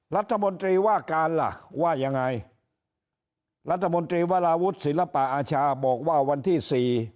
รัฐมนตรีว่าการล่ะว่ายังไงรัฐมนตรีวราวุฒิศิลปะอาชาบอกว่าวันที่สี่